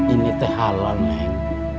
ini hal lain